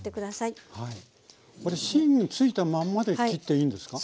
これ芯ついたまんまで切っていいんですか？